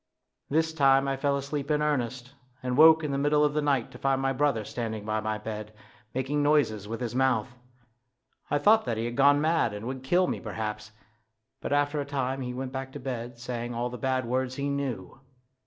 This time I fell asleep in earnest, and woke in the middle of the night to find my brother standing by my bed, making noises with his mouth. I thought that he had gone mad, and would kill me perhaps, but after a time he went back to bed saying all the bad words he knew.